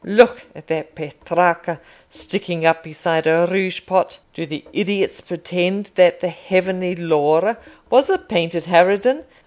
Look at that Petrarca sticking up beside a rouge pot: do the idiots pretend that the heavenly Laura was a painted harridan?